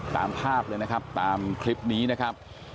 ตามภาพเลยนะครับตามคลิปนี้นะครับ